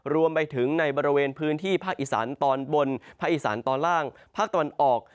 รวมไปถึงในบริเวณพื้นที่ภาคอีสานตอนบนภาคอีสานตอนล่างภาคตะวันออก